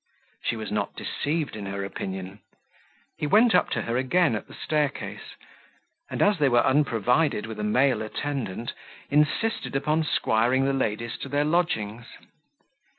She was not deceived in her opinion: he went up to her again at the staircase, and, as they were improvided with a male attendant, insisted upon squiring the ladies to their lodgings.